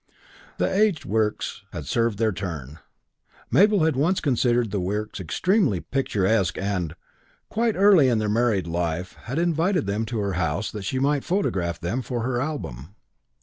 The aged Wirks had served their turn. Mabel had once considered the Wirks extremely picturesque and, quite early in their married life, had invited them to her house that she might photograph them for her album.